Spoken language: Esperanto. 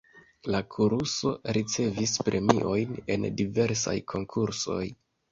La koruso ricevis premiojn en diversaj konkursoj.